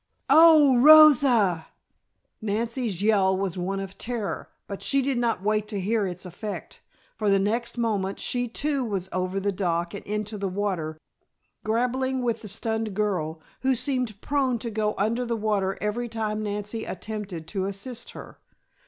"Oh, Rosa!" Nancy's yell was one of terror, but she did not wait to hear its effect, for the next moment she too was over the dock and into the water, grappling with the stunned girl, who seemed prone to go under the water every time Nancy attempted to assist her.